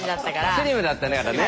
スリムだったからね。